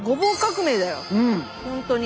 本当に。